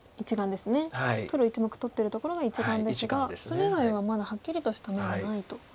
黒１目取ってるところが１眼ですがそれ以外はまだはっきりとした眼はないと。